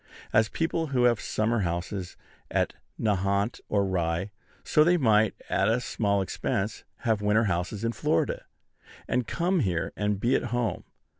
As people now have summer houses at Nahant or Rye, so they might, at a small expense, have winter houses in Florida, and come here and be at home.